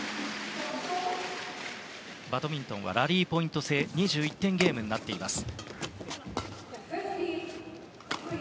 バドミントンはラリーポイント制２１点ゲームになっています。